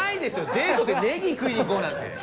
デートでネギ食いにいこうなんて。